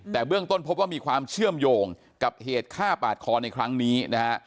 แต่เบื้องต้นพบว่ามีความเชื่อมโยงกับเหตุฆ่าปาดคอในครั้งนี้นะฮะ